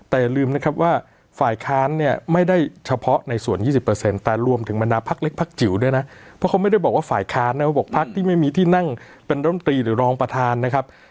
แต่อย่าลืมนะครับว่าฝ่ายค้านเนี่ยไม่ได้เฉพาะในส่วน๒๐แต่รวมถึงบรรดาพักเล็กพักจิ๋วด้วยนะเพราะเขาไม่ได้บอกว่าฝ่ายค้านนะเขาบอกพักที่ไม่มีที่นั่งเป็นร่มตรีหรือรองประธานนะครับ